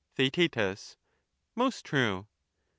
Theaet, Most true.